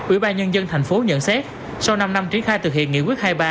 ủy ban nhân dân tp nhận xét sau năm năm triển khai thực hiện nghị quyết hai mươi ba